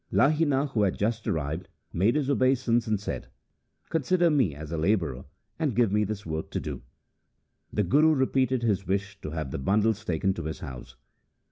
Lahina, who had just arrived, made his obeisance and said, ' Consider me as a labourer, and give me this work to do.' The Guru repeated his wish to have the bundles taken to his house.